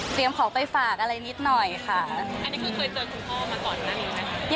เตรียมของไปฝากอะไรนิดหน่อยค่ะอันนี้คุณเคยเจอคุณพ่อมาตอนนั้นหรือไง